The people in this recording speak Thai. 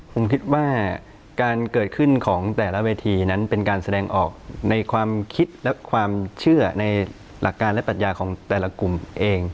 ผมคิดว่าการเกิดขึ้นของแต่ละเวทีนั้นเป็นการแสดงออกในความคิดและความเชื่อในหลักการและปัญญาของแต่ละกลุ่มเอง